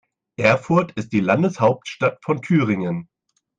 Erfurt ist die Landeshauptstadt von Thüringen.